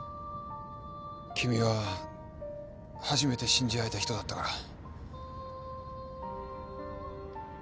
君は初めて信じ合えた人だったから。